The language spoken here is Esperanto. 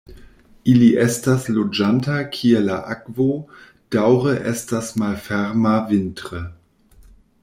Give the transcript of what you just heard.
Ili estas loĝanta kie la akvo daŭre estas malferma vintre.